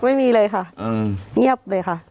ไม่มีเลยค่ะเงียบเลยค่ะ